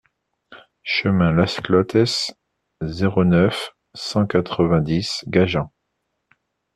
Chemin Las Clotes, zéro neuf, cent quatre-vingt-dix Gajan